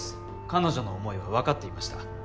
彼女の想いは分かっていました。